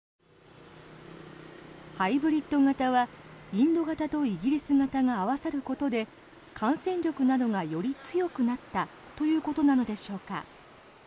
ハイブリッド型はインド型とイギリス型が合わさることで感染力などがより強くなったということなのでしょうか。